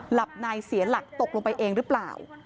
หลับในเสียหลักตกลงไปเองหรือเปล่า